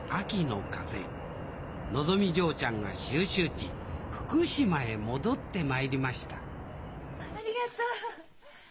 のぞみ嬢ちゃんが修習地福島へ戻ってまいりましたありがとう。